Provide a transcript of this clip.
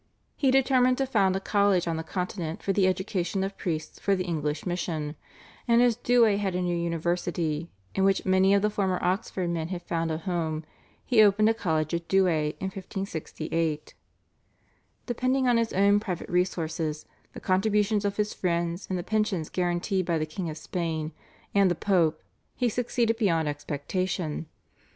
He determined to found a college on the Continent for the education of priests for the English mission, and as Douay had a new university, in which many of the former Oxford men had found a home, he opened a college at Douay in 1568. Depending on his own private resources, the contributions of his friends, and the pensions guaranteed by the King of Spain and the Pope, he succeeded beyond expectation.